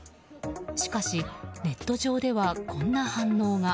しかし、ネット上ではこんな反応が。